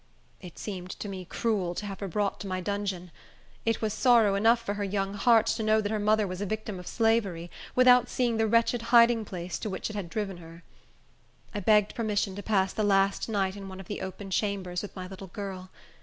It seemed to me cruel to have her brought to my dungeon. It was sorrow enough for her young heart to know that her mother was a victim of slavery, without seeing the wretched hiding place to which it had driven her. I begged permission to pass the last night in one of the open chambers, with my little girl.